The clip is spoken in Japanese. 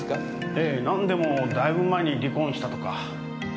ええ何でもだいぶ前に離婚したとか。